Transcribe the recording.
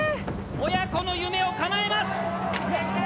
親子の夢を叶えます！